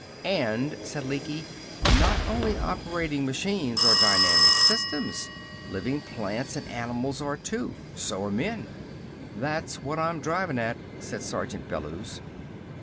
"And," said Lecky, "not only operating machines are dynamic systems. Living plants and animals are, too. So are men." "That's what I'm drivin' at," said Sergeant Bellews.